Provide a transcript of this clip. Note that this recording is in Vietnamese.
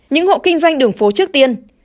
những hộ kinh doanh đường phố trước tiên